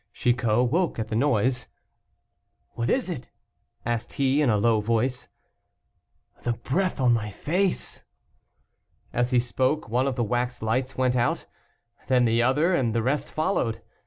Chicot woke at the noise. "What is it?" asked he in a low voice. "The breath on my face." As he spoke, one of the wax lights went out, then the other, and the rest followed.